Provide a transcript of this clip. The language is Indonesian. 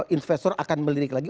investor akan melirik lagi